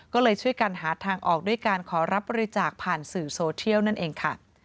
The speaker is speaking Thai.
ก็เลยช่วยกันหาทางออกด้วยการขอรับบริจาคผ่านสื่อโซเทียลนั่นเองค่ะ